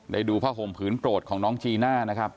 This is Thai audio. ดูผ้าห่มผืนโปรดของน้องจีน่านะครับ